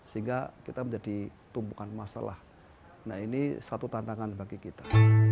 sehingga kita menjadi tumpukan masalah nah ini satu tantangan bagi kita